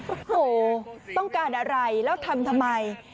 โอ้โหต้องการอะไรแล้วทำทำไม